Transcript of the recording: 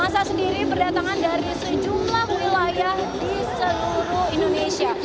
jadi berdatangan dari sejumlah wilayah di seluruh indonesia